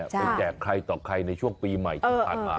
ไปแก้ใครต่อใครในช่วงปีใหม่ชีวิตภัณฑ์